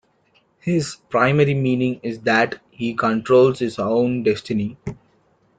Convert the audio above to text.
His primary meaning is that he controls his own destiny.